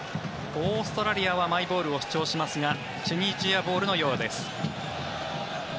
オーストラリアはマイボールを主張しますがチュニジアボールのようです。